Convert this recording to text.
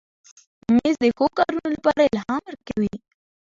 مېز د ښو کارونو لپاره الهام ورکوي.